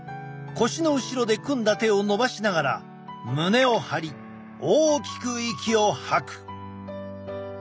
腰の後ろで組んだ手を伸ばしながら胸を張り大きく息を吐く。